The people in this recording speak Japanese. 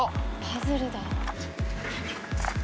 パズルだ。